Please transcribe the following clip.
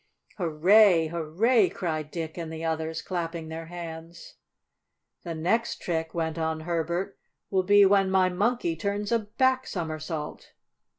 "Hurray! Hurray!" cried Dick and the others, clapping their hands. "The next trick," went on Herbert, "will be when my Monkey turns a back somersault."